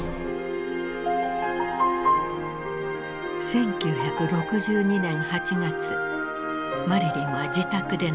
１９６２年８月マリリンは自宅で亡くなった。